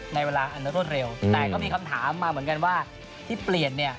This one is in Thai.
ในเวลาอันรวดเร็วแต่ก็มีคำถามมาเหมือนกันว่าที่เปลี่ยนเนี่ย